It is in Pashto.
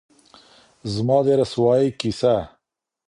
زمـــا د رسـوايـۍ كـيسه